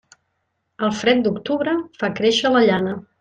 El fred d'octubre fa créixer la llana.